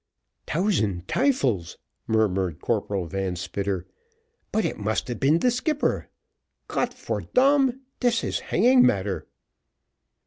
"Tousand tyfels," murmured Corporal Van Spitter, "but it must have been the skipper. Got for damn, dis is hanging matter!"